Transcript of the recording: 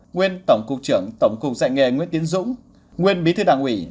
nguyên tổng cục trưởng tổng cục dạy nghề nguyễn tiến dũng nguyên bí thư đảng ủy